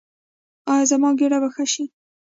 ایا زما ګیډه به ښه شي؟